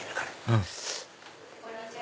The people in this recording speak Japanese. うんこんにちは。